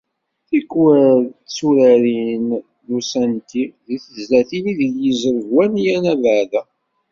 Tikwal d turarin n usanti, deg tezlatin ideg yezreb wanya abeɛda.